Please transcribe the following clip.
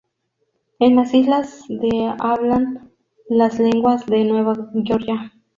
En las islas de hablan las lenguas de Nueva Georgia.